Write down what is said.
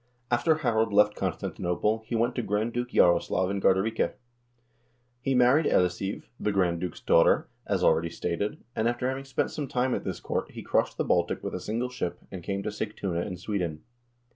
After Harald left Constantinople, he went to Grand Duke Jaroslaf in Gardarike. He married Ellisiv, the grand duke's daughter, as already stated, and after having spent some time at his court, he crossed the Baltic with a single ship, and came to Sigtuna in Sweden.